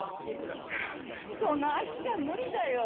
その足じゃ無理だよ。